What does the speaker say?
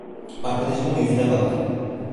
Arkadaşımın yüzüne baktım.